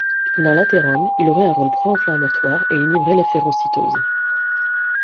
Dans l'athérome, il aurait un rôle pro-inflammatoire et inhiberait l'efférocytose.